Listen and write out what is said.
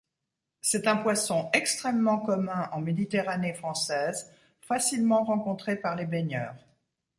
C'est un poisson extrêmement commun en Méditerranée française, facilement rencontré par les baigneurs.